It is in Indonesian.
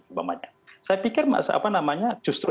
saya pikir justru